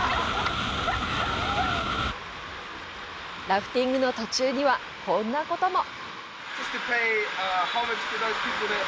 ラフティングの途中には、こんなことも。